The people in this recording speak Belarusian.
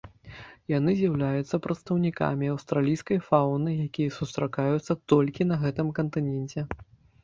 Яны з'яўляюцца прадстаўнікамі аўстралійскай фауны, якія сустракаецца толькі на гэтым кантыненце.